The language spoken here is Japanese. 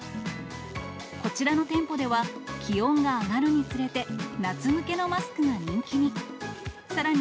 こちらの店舗では、気温が上がるにつれて、夏向けのマスクが人気に。